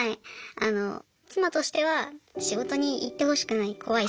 あの妻としては仕事に行ってほしくない。